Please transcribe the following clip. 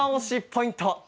ポイント